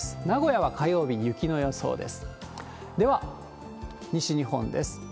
名古屋は火曜日、雪の予想です。